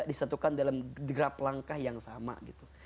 disatukan dalam draft langkah yang sama gitu